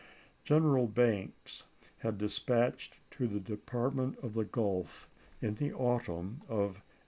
General Banks had been dispatched to the Department of the Gulf in the autumn of 1862.